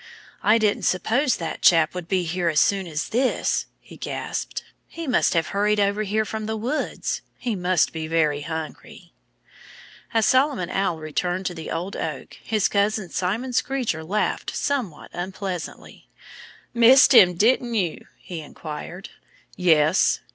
"I didn't suppose that chap would be here as soon as this," he gasped. "He must have hurried over here from the woods. He must be very hungry." As Solomon Owl returned to the old oak his cousin Simon Screecher laughed somewhat unpleasantly. "Missed him didn't you?" he inquired. "Yes!"